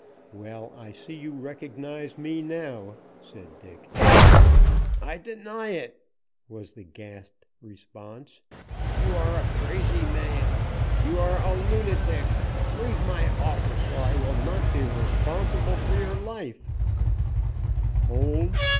"Well, I see you recognize me now," said Dick. "I deny it," was the gasped response. "You are a crazy man. You are a lunatic. Leave my office, or I will not be responsible for your life " "Hold!